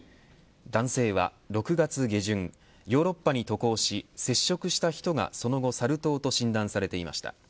男性は６月下旬ヨーロッパに渡航し接触した人がその後サル痘と診断されていました。